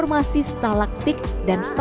meskipun pindah ke cand gen